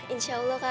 insya allah kak rum